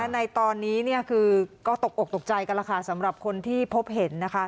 ในตอนนี้ก็ตกอกตกใจกันละค่ะสำหรับคนที่พบเห็นนะคะ